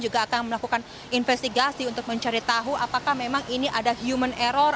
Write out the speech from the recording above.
juga akan melakukan investigasi untuk mencari tahu apakah memang ini ada human error